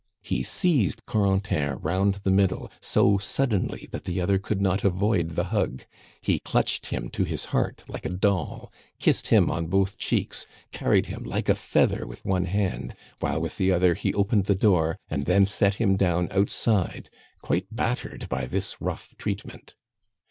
He seized Corentin round the middle so suddenly that the other could not avoid the hug; he clutched him to his heart like a doll, kissed him on both cheeks, carried him like a feather with one hand, while with the other he opened the door, and then set him down outside, quite battered by this rough treatment.